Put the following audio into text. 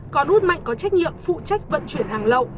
còn út mạnh có trách nhiệm phụ trách vận chuyển hàng lậu